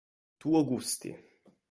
Tuo Gusti".